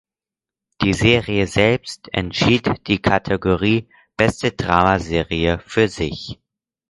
Die Serie selbst entschied die Kategorie „Beste Dramaserie“ für sich.